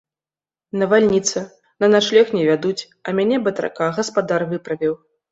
Навальніца, на начлег не вядуць, а мяне, батрака, гаспадар выправіў.